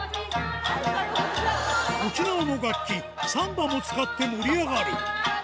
沖縄の楽器三板も使って盛り上がる